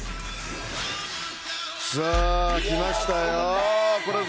さあ、きましたよ。